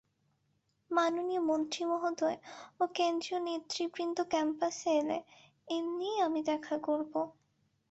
মাননীয় মন্ত্রী মহোদয় ও কেন্দ্রীয় নেতৃবৃন্দ ক্যাম্পাসে এলে এমনিই আমি দেখা করব।